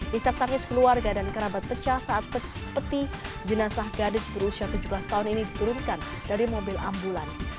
di saat tangis keluarga dan kerabat pecah saat peti jenazah gadis berusia tujuh belas tahun ini diturunkan dari mobil ambulans